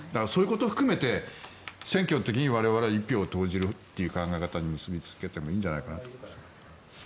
そういうことを含めて選挙の時に我々は一票を投じるという考え方に結びつけてもいいんじゃないかなと。